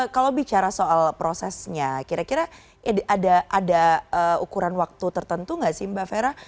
kalau bicara soal prosesnya kira kira ada ukuran waktu tertentu nggak sih mbak fera